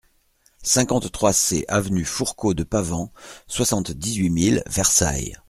cinquante-trois C avenue Fourcault de Pavant, soixante-dix-huit mille Versailles